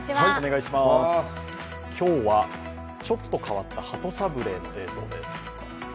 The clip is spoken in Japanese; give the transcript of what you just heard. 今日は、ちょっと変わった鳩サブレーの映像です。